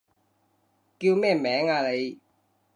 叫咩名啊你？